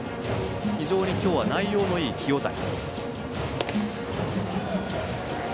非常に今日は内容のいい清谷。